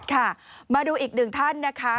ค่ะมาดูอีกหนึ่งท่านนะคะ